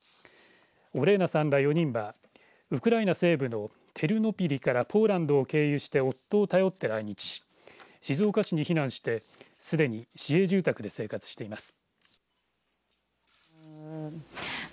オレーナさんら４人はウクライナ西部のテルノピリからポーランドを経由して夫を頼って来日し静岡市に避難してすでに市営住宅で生活しています。